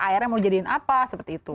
akhirnya mau jadiin apa seperti itu